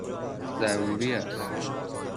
ضروری است!